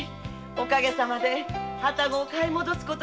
おかげさまで旅籠を買い戻せます。